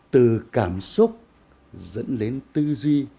từ cảm xúc dẫn đến tư duy